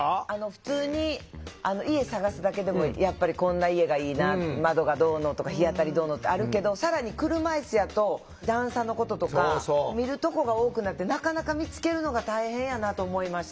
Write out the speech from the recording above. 普通に家探すだけでもやっぱりこんな家がいいな窓がどうのとか日当たりどうのってあるけど更に車いすやと段差のこととか見るとこが多くなってなかなか見つけるのが大変やなと思いました。